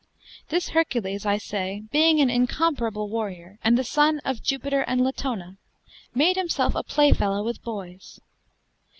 This Hercules, I say, being an incomparable warriour, and the sonne of Jupiter and Latona, made himselfe a playfellowe with boys.